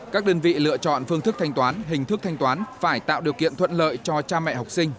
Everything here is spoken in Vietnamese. các đơn vị lựa chọn phương thức thanh toán hình thức thanh toán phải tạo điều kiện thuận lợi cho cha mẹ học sinh